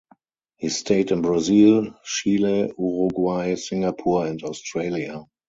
He stayed in Brazil, Chile, Uruguay, Singapore and Australia.